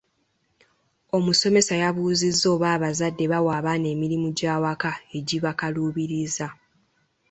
Omusomesa yabuuzizza oba abazadde bawa abaana emirimu gy'awaka egibakaluubiriza.